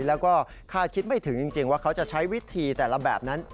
แล้วก็คาดคิดไม่ถึงจริงว่าเขาจะใช้วิธีแต่ละแบบนั้น